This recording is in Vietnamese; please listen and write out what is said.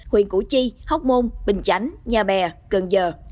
huyện củ chi hóc môn bình chánh nhà bè cần giờ